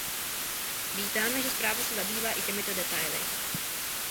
Vítáme, že zpráva se zabývá i těmito detaily.